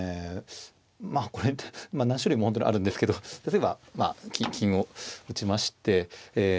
まあこれって何種類も本当にあるんですけど例えばまあ金を打ちましてえ